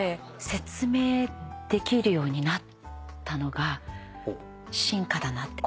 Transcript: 説明できるようになったのが進化だなって。